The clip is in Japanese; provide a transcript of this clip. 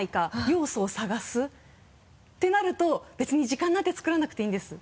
要素を探すってなると別に時間なんて作らなくていいんです。